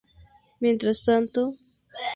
Mientras tanto...